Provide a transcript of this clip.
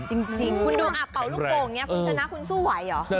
จริงคุณดูอ่ะเบาลูกโกงเนี่ยคุณชนะคุณสู้ไหวหรอ